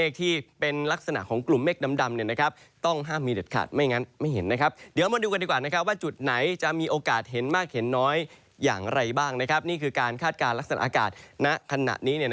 ก็คือการฆาจการรักษาอากาศนะขณะนี้